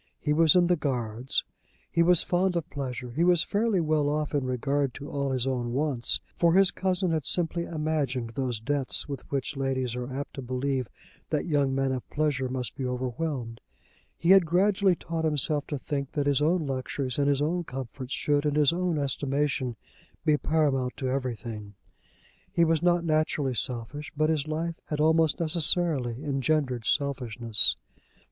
He was in the Guards. He was fond of pleasure. He was fairly well off in regard to all his own wants, for his cousin had simply imagined those debts with which ladies are apt to believe that young men of pleasure must be overwhelmed. He had gradually taught himself to think that his own luxuries and his own comforts should in his own estimation be paramount to everything. He was not naturally selfish, but his life had almost necessarily engendered selfishness.